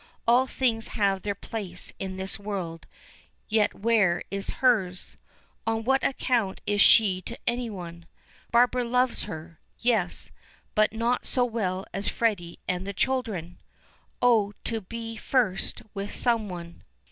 All things have their place in this world, yet where is hers? Of what account is she to anyone? Barbara loves, her; yes, but not so well as Freddy and the children! Oh, to be first with someone!